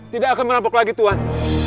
tidak akan merampok lagi tuhan